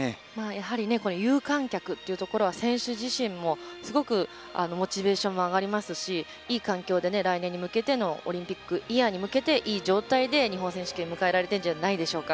やはり有観客というところは選手自身も、すごくモチベーションが上がりますしいい環境で来年に向けてオリンピックイヤーに向けていい状態で日本選手権を迎えられてるんじゃないでしょうか。